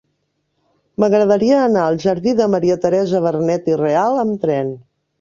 M'agradaria anar al jardí de Maria Teresa Vernet i Real amb tren.